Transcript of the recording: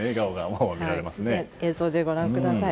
映像でご覧ください。